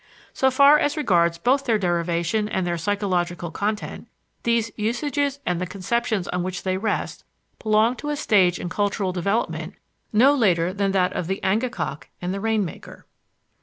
So far as regards both their derivation and their psychological content, these usages and the conceptions on which they rest belong to a stage in cultural development no later than that of the angekok and the rain maker.